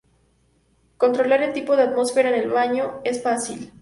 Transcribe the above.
Controlar el tipo de atmósfera en el baño es fácil.